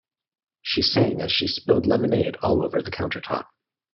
She sang as she spilled lemonade all over the countertop.